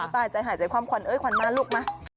ตายใจหายใจความควันควันมาลูกมา